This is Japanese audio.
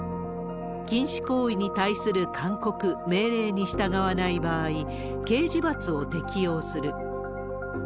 禁止行為に対する勧告、命令に従わない場合、刑事罰を適用する。